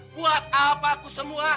buat apa aku sembuh